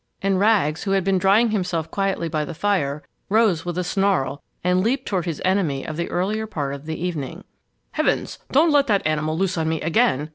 And Rags, who had been drying himself quietly by the fire, rose with a snarl and leaped toward his enemy of the earlier part of the evening. "Heavens! don't let that animal loose on me again!"